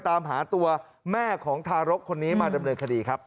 ตามหาตัวแม่ของทารกคนนี้มาดำเนินคดีครับ